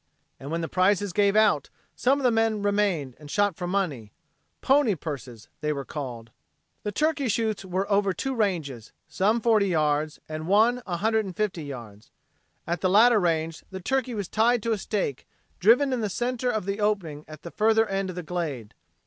And when the prizes gave out, some of the men remained and shot for money "pony purses," they were called. The turkey shoots were over two ranges some forty yards and one a hundred and fifty yards. At the latter range the turkey was tied to a stake driven in the center of the opening at the further end of the glade.